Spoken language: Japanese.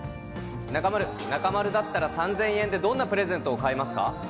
中丸、中丸だったら３０００円でどんなプレゼントを買いますか？